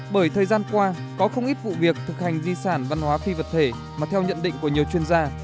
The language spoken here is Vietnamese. bởi thời gian qua có không ít vụ việc thực hành di sản văn hóa phi vật thể mà theo nhận định của nhiều chuyên gia